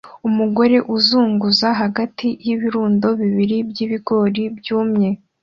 Umugore uzunguza hagati y'ibirundo bibiri by'ibigori byumye